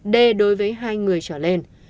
d đối với hai người trở lên